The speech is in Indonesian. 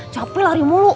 capek lari mulu